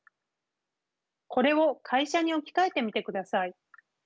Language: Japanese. これを会社に置き換えてみてください。